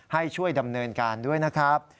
ให้ช่วยดำเนินการด้วยนะครับ